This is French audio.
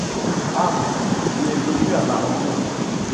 Ah ! tu es venu à ma rencontre !